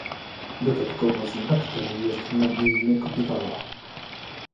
Dodatkowo znak ten jest nagminnie kopiowany